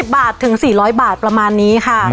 บาทถึง๔๐๐บาทประมาณนี้ค่ะ